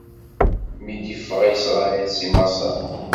Mi d-iffeɣ Isṛayil si Maṣer.